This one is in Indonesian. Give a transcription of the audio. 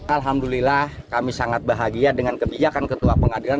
alhamdulillah kami sangat bahagia dengan kebijakan ketua pengadilan